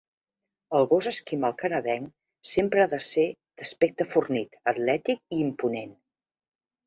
El gos esquimal canadenc sempre ha de ser d'aspecte fornit, atlètic i imponent.